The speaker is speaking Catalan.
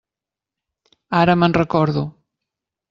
Ara me'n recordo.